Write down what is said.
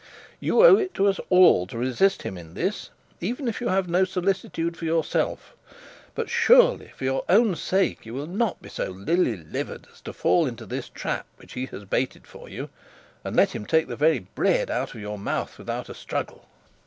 You owe it to us all to resist him in this, even if you have no solicitude for yourself. But surely, for your own sake, you will not be so lily livered as to fall into this trap which he has baited for you, and let him take the very bread out of your mouth without a struggle.'